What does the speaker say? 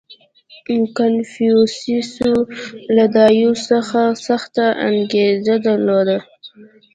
• کنفوسیوس له دایو څخه سخته انګېرنه درلوده.